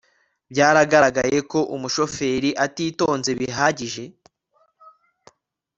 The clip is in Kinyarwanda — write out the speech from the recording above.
byaragaragaye ko umushoferi atitonze bihagije